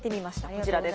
こちらです。